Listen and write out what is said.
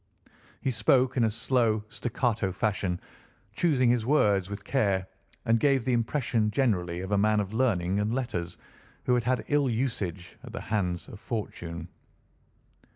He spoke in a slow staccato fashion, choosing his words with care, and gave the impression generally of a man of learning and letters who had had ill usage at the hands of fortune.